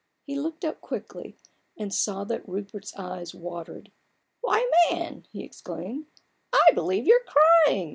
He looked up quickly and saw that Rupert's eyes watered. "Why, man," he exclaimed, " I believe you're crying